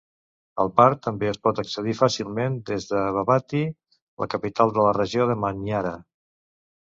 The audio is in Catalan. El parc també es pot accedir fàcilment des de Babati, la capital de la regió de Manyara.